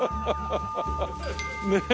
ねえ。